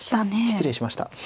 失礼しました。